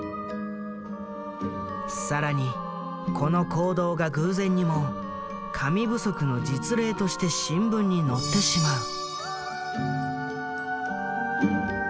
更にこの行動が偶然にも「紙不足」の実例として新聞に載ってしまう。